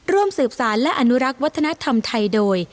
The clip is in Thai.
ร่วมสืบสารและอนุรักษ์วัฒนธรรมไทยโดย